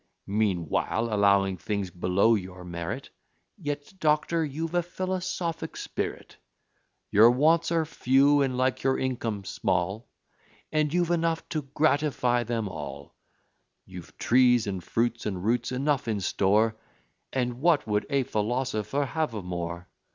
Meanwhile, allowing things below your merit, Yet, doctor, you've a philosophic spirit; Your wants are few, and, like your income, small, And you've enough to gratify them all: You've trees, and fruits, and roots, enough in store: And what would a philosopher have more?